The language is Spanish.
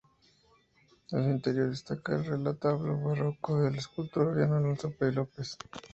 En su interior destaca el retablo barroco del escultor orensano Alonso López.